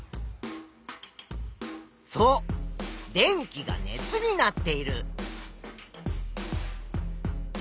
そう電気が熱になっている。